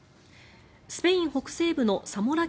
スペイン北西部のサモラ